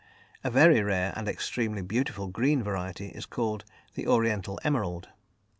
A very rare and extremely beautiful green variety is called the oriental emerald.